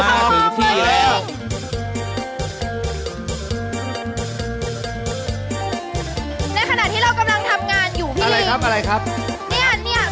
ในขณะที่เรากำลังทำงานอยู่พี่ลิงนี่สุปป่าสุปป่าคือล่ะ